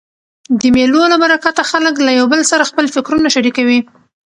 د مېلو له برکته خلک له یو بل سره خپل فکرونه شریکوي.